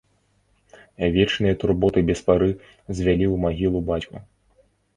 Вечныя турботы без пары звялі ў магілу бацьку.